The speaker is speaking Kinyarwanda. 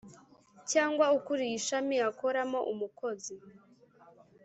cyangwa ukuriye ishami akoramo Umukozi